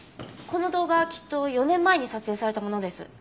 この動画きっと４年前に撮影されたものです。